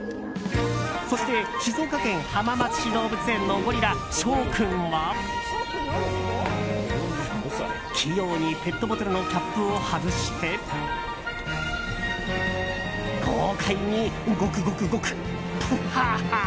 そして静岡県浜松市動物園のゴリラショウ君は、器用にペットボトルのキャップを外して豪快にゴクゴクゴク、プハー。